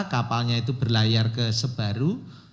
kapalnya itu berlayar ke sebaru